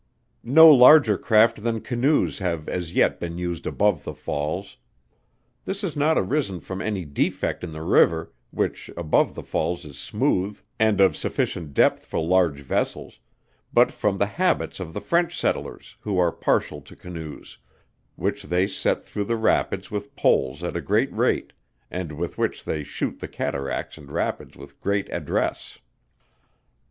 No larger craft than canoes have as yet been used above the falls. This has not arisen from any defect in the river, which above the falls is smooth and of sufficient depth for large vessels; but from the habits of the French settlers, who are partial to canoes, which they set through the rapids with poles at a great rate, and with which they shoot the cataracts and rapids with great address.